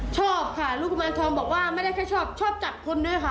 ชอบค่ะลูกกุมารทองบอกว่าไม่ได้แค่ชอบชอบจับคนด้วยค่ะ